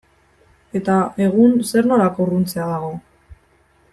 Eta egun zer nolako urruntzea dago?